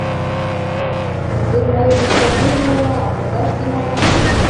Ынде мый Мультатули улам, возаш тӱҥалам!..